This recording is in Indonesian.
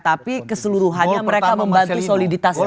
tapi keseluruhannya mereka membantu soliditas tim